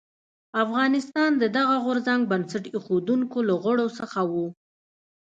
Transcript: افغانستان د دغه غورځنګ بنسټ ایښودونکو له غړو څخه و.